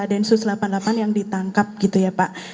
densus delapan puluh delapan yang ditangkap gitu ya pak